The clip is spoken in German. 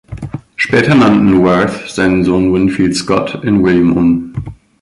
Später nannten Worth seinen Sohn Winfield Scott in William um.